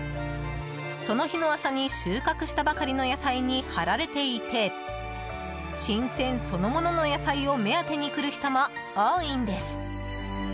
その日の朝に収穫したばかりの野菜に貼られていて新鮮そのものの野菜を目当てに来る人も多いんです。